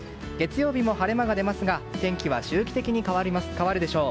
月曜日も晴れ間が出ますが天気は周期的に変わるでしょう。